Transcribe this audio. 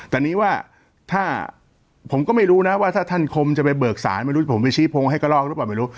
แต่นี้ว่าถ้าผมก็ไม่รู้นะว่าถ้าท่านคมจะไปเบิกศาลไม่รู้ผมไปชี้พงให้กระลอกหรือเปล่าไม่รู้